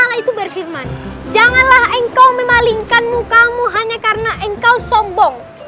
tiga allah swt itu berfirman janganlah engkau memalingkanmu kamu hanya karena engkau sombong